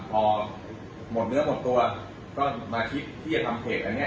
พอหมดเนื้อหมดตัวก็มาคิดว่าคิดจะทำเพจแล้ว